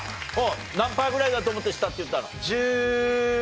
何パーぐらいだと思って下って言ったの？